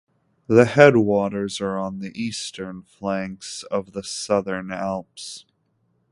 The headwaters are on the eastern flanks of the Southern Alps.